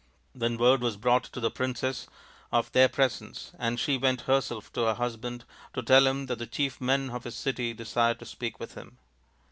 Then word was brought to the princess of their presence, and she went herself to her husband to tell him that the chief men of his city desired to speak with him.